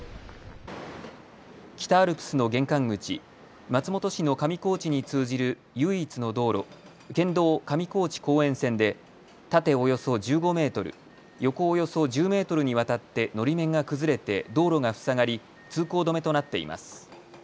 北アルプスの玄関口、松本市の上高地に通じる唯一の道路、県道上高地公園線で縦およそ１５メートル、横およそ１０メートルにわたってのり面が崩れて道路が塞がり通行止めとなっています。